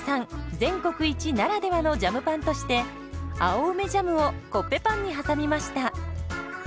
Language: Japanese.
全国一ならではのジャムパンとして青梅ジャムをコッペパンに挟みました。